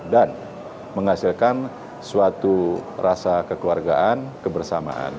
dan menghasilkan suatu rasa kekeluargaan kebersamaan